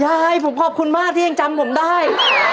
ยายผมขอบคุณมากที่ยังจำผมได้